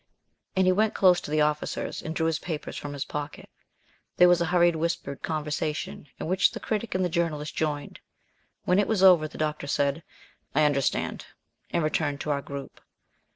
And he went close to the officers, and drew his papers from his pocket. There was a hurried whispered conversation, in which the Critic and the Journalist joined. When it was over, the Doctor said, "I understand," and returned to our group.